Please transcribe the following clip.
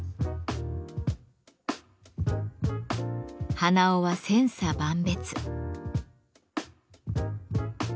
鼻緒は千差万別。